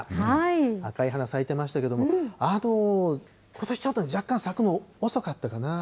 赤い花、咲いてましたけど、ことしちょっと、若干咲くの遅かったかな。